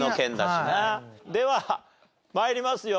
では参りますよ。